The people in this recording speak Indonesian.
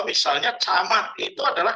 misalnya camat itu adalah